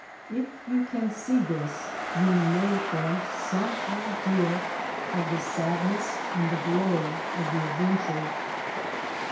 If you can see this you may form some idea of the sadness and the glory of his adventure.